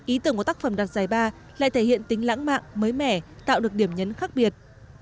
ý tưởng của tác phẩm đạt giải ba lại thể hiện tính lãng mạn mới mẻ tạo được điểm nhấn khác biệt